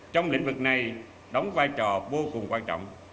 trong lĩnh vực này đóng vai trò vô cùng quan trọng